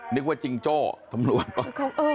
นึกว่าจริงจ้อตำรวจ